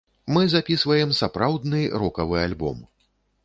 Мы запісваем сапраўдны рокавы альбом.